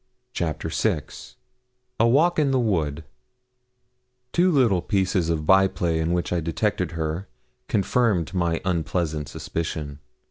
CHAPTER VI A WALK IN THE WOOD Two little pieces of by play in which I detected her confirmed my unpleasant suspicion.